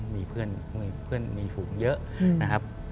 มีเพื่อนฝูงเยอะนะครับ